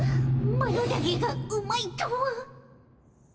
マロだけがうまいとは。